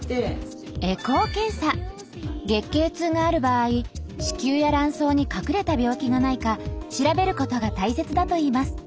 月経痛がある場合子宮や卵巣に隠れた病気がないか調べることが大切だといいます。